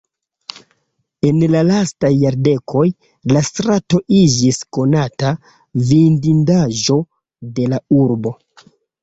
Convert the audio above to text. En la lastaj jardekoj, la strato iĝis konata vidindaĵo de la urbo.